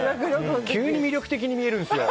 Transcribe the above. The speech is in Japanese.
急に魅力的に見えるんですよ